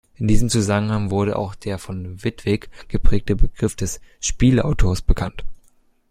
In diesem Zusammenhang wurde auch der von Wittig geprägte Begriff des „Spieleautors“ bekannt.